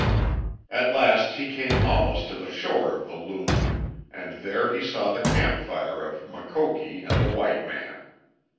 At last he came almost to the shore of the Loon, and there he saw the campfire of Makoki and the white man.